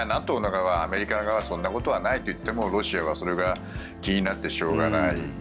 ＮＡＴＯのほうはアメリカ側がそんなことはないといってもロシアはそれが気になってしょうがない。